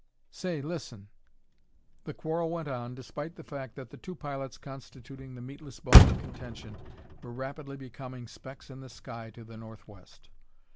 "Say, listen " The quarrel went on, despite the fact that the two pilots constituting the meatless bone of contention were rapidly becoming specks in the sky to the northwest.